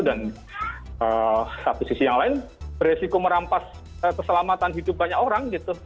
dan satu sisi yang lain beresiko merampas keselamatan hidup banyak orang gitu